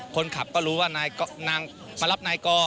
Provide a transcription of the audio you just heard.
คนขับก็รู้ว่านางมารับนายกอ